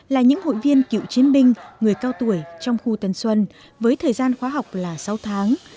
là những hội viên cựu chiến binh người cao tuổi trong khu tân xuân với thời gian khóa học là sáu tháng